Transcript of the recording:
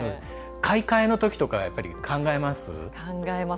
買い替えのときとかやっぱり考えます？